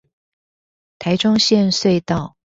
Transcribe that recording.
臺中線隧道